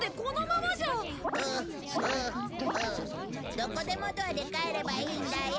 どこでもドアで帰ればいいんだよ。